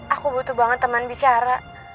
aku butuh banget teman bicara